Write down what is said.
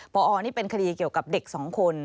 พอนี่เป็นคดีเกี่ยวกับเด็ก๒คน